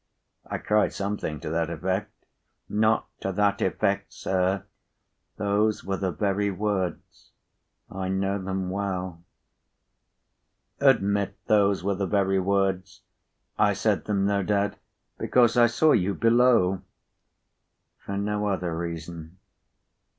"I cried something to that effect—" "Not to that effect, sir. Those were the very words. I know them well." "Admit those were the very words. I said them, no doubt, because I saw you below." "For no other reason?"